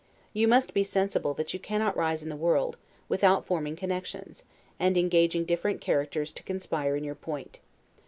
You must be sensible that you cannot rise in the world, without forming connections, and engaging different characters to conspire in your point.